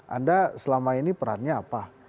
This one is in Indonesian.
anda selama ini perannya apa